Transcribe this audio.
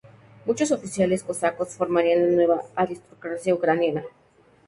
Muchos oficiales cosacos formarían la nueva aristocracia ucraniana.